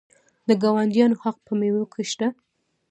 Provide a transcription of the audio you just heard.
د ګاونډیانو حق په میوو کې شته.